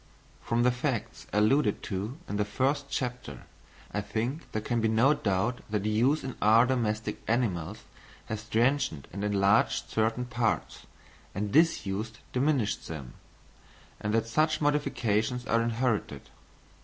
_ From the facts alluded to in the first chapter, I think there can be no doubt that use in our domestic animals has strengthened and enlarged certain parts, and disuse diminished them; and that such modifications are inherited.